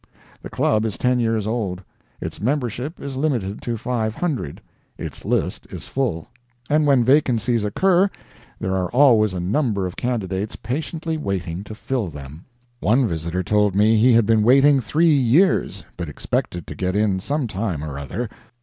The Club is ten years old. Its membership is limited to 500, its list is full, and when vacancies occur there are always a number of candidates patiently waiting to fill them. One visitor told me he had been waiting three years, but expected to get in sometime or other.